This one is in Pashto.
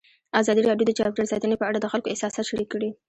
ازادي راډیو د چاپیریال ساتنه په اړه د خلکو احساسات شریک کړي.